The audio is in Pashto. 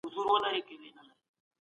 جزيه يوه مالي مالیه ده.